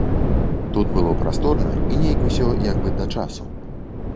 Тут было прасторна і нейк усё як бы да часу.